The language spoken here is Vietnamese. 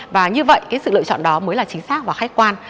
và như vậy cái sự lựa chọn đó mới là chính xác và khách quan